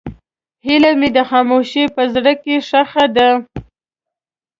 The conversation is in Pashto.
هیلې مې د خاموشۍ په زړه کې ښخې دي.